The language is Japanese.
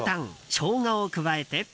ショウガを加えて。